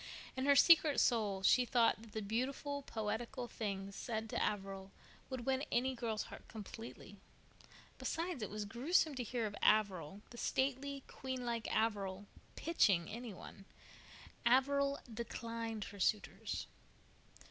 In her secret soul she thought that the beautiful, poetical things said to Averil would win any girl's heart completely. Besides, it was gruesome to hear of Averil, the stately, queen like Averil, "pitching" any one. Averil "declined her suitors."